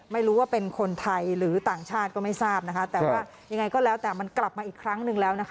ไม่รู้ว่าเป็นคนไทยหรือต่างชาติก็ไม่ทราบนะคะแต่ว่ายังไงก็แล้วแต่มันกลับมาอีกครั้งหนึ่งแล้วนะคะ